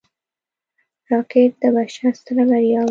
راکټ د بشر ستره بریا وه